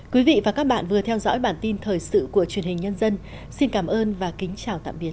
quý vị và các bạn vừa theo dõi bản tin thời sự của truyền hình nhân dân xin cảm ơn và kính chào tạm biệt